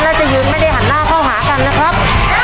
จะยืนไม่ได้หันหน้าเข้าหากันนะครับ